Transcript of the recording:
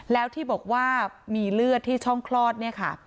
แล้วที่บอกว่ามีเลือดที่ช่องคลอดเนี่ยค่ะ